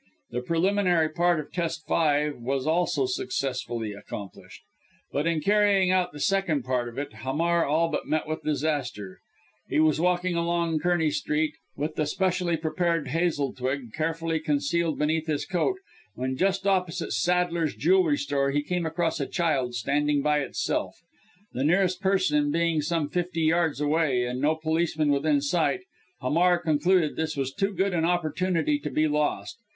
The preliminary part of test five was also successfully accomplished; but in carrying out the second part of it, Hamar all but met with disaster. He was walking along Kearney Street with the specially prepared hazel twig carefully concealed beneath his coat, when just opposite Saddler's jewelry store, he came across a child standing by itself. The nearest person being some fifty yards away, and no policeman within sight, Hamar concluded this was too good an opportunity to be lost.